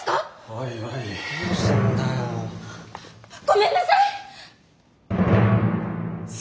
ごめんなさい！